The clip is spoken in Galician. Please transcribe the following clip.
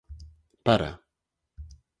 Para.